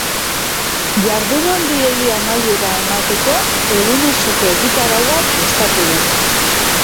Jardunaldiei amaiera emateko egun osoko egitaraua prestatu dute.